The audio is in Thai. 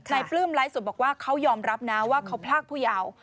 ปลื้มไลฟ์สุดบอกว่าเขายอมรับนะว่าเขาพรากผู้เยาว์